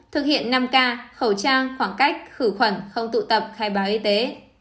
thực hiện năm k khẩu trang khoảng cách khử khuẩn không tụ tập khai báo y tế